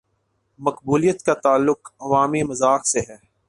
مقبولیت کا تعلق عوامی مذاق سے ہے۔